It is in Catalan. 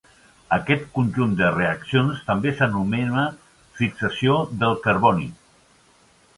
Aquest conjunt de reaccions també s'anomena "fixació del carboni".